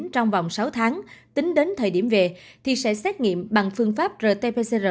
trong vòng sáu tháng tính đến thời điểm về thì sẽ xét nghiệm bằng phương pháp rt pcr